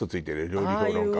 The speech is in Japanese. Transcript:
料理評論家は。